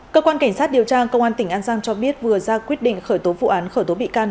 cơ quan cảnh sát điều tra công an tỉnh an giang cho biết vừa ra quyết định khởi tố vụ án khởi tố bị can